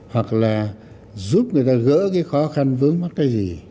hoặc là giúp người ta gỡ cái khó khăn vướng mắt cái gì